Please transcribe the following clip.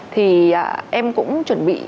thì em cũng chuẩn bị